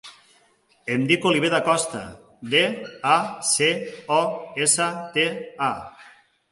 Em dic Oliver Dacosta: de, a, ce, o, essa, te, a.